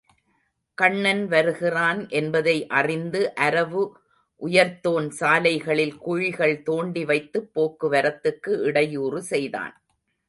கண்ணன் வருகிறான் என்பதை அறிந்து அரவு உயர்த்தோன் சாலைகளில் குழிகள் தோண்டி வைத்துப் போக்கு வரத்துக்கு இடையூறு செய்தான்.